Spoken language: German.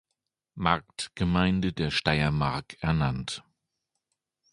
Marktgemeinde der Steiermark ernannt.